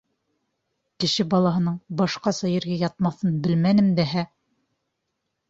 Кеше балаһының башҡаса ергә ятмаҫын белмәнем дәһә.